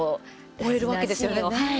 追えるわけですよね。